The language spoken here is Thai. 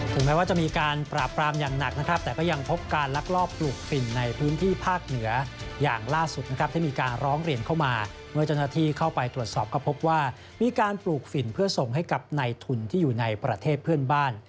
แม้ว่าจะมีการปราบปรามอย่างหนักนะครับแต่ก็ยังพบการลักลอบปลูกฝิ่นในพื้นที่ภาคเหนืออย่างล่าสุดนะครับที่มีการร้องเรียนเข้ามาเมื่อเจ้าหน้าที่เข้าไปตรวจสอบก็พบว่ามีการปลูกฝิ่นเพื่อส่งให้กับในทุนที่อยู่ในประเทศเพื่อนบ้าน